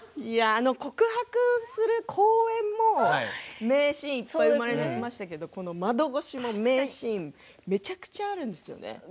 あの告白する公園も名シーンいっぱい生まれましたけれどもこの窓越しも名シーンめちゃくちゃあるんですよ。